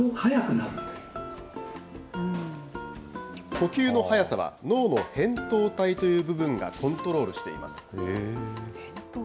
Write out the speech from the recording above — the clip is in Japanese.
呼吸の速さは脳のへんとう体という部分がコントロールしています。